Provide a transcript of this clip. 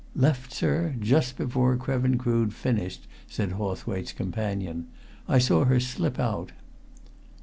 "Left, sir, just before Krevin Crood finished," said Hawthwaite's companion. "I saw her slip out."